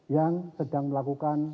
yang sedang melakukan